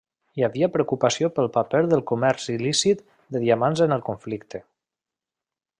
Hi havia preocupació pel paper del comerç il·lícit de diamants en el conflicte.